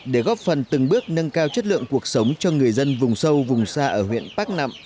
để góp phần từng bước nâng cao chất lượng cuộc sống cho người dân vùng sâu vùng xa ở huyện bắc nẵm